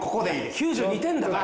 ９２点だから。